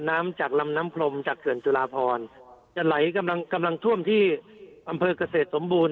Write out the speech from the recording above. น้ำจากลำน้ำพรมจากเขื่อนจุลาพรจะไหลกำลังกำลังท่วมที่อำเภอกเกษตรสมบูรณ